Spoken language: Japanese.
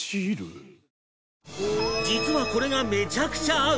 実はこれがめちゃくちゃ合う